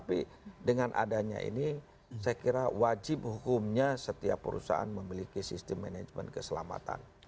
tapi dengan adanya ini saya kira wajib hukumnya setiap perusahaan memiliki sistem manajemen keselamatan